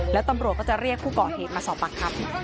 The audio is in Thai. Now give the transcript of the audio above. แล้วตำรวจก็จะเรียกผู้เกาะเหตุมาสอบปรับครับ